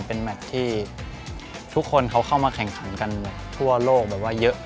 เป็นแมทที่ทุกคนเขาเข้ามาแข่งขันกันทั่วโลกแบบว่าเยอะ